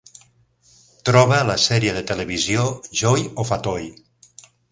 Troba la sèrie de televisió Joy Of A Toy